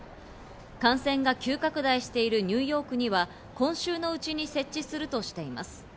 感染が急拡大しているニューヨークには今週のうちに設置するとしています。